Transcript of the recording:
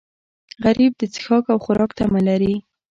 غریب د څښاک او خوراک تمه لري